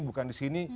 bukan di sini